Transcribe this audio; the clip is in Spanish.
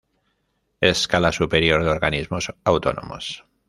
Escala Superior de Organismos Autónomos.